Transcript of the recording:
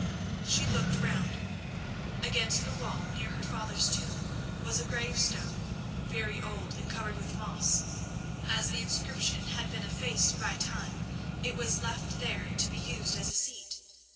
She looked around. Against the wall, near her father's tomb, was a gravestone, very old and covered with moss. As the inscription had been effaced by time, it was left there to be used as a seat.